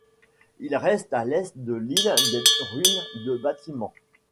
Il reste à l'est de l'île des ruines de bâtiments.